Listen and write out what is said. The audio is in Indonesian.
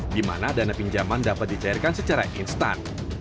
di mana dana pinjaman dapat dicairkan secara instan